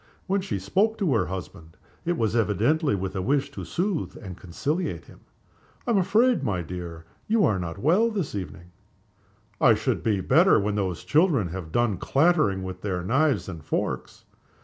When she spoke to her husband it was evidently with a wish to soothe and conciliate him. "I am afraid, my dear, you are not well this evening?" "I shall be better when those children have done clattering with their knives and forks."